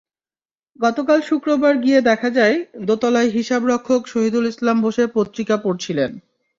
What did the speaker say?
গতকাল শুক্রবার গিয়ে দেখা যায়, দোতলায় হিসাবরক্ষক শহীদুল ইসলাম বসে পত্রিকা পড়ছিলেন।